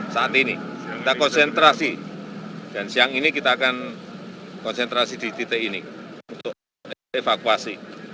saat ini kita konsentrasi dan siang ini kita akan konsentrasi di titik ini untuk evakuasi